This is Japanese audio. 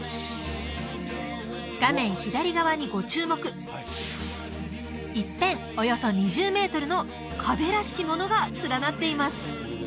画面左側にご注目１辺およそ２０メートルの壁らしきものが連なっています